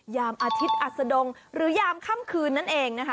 ยามอาทิตย์อัศดงหรือยามค่ำคืนนั่นเองนะคะ